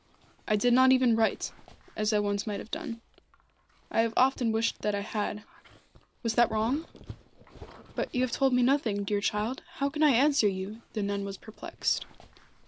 I did not even write, as I once might have done. I have often wished that I had was that wrong?" "But you have told me nothing, dear child. How can I answer you?" The nun was perplexed.